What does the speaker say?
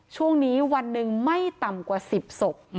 ช่วงนี้วันหนึ่งไม่ต่ำกว่า๑๐ศพ